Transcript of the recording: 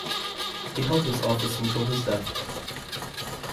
He held this office until his death.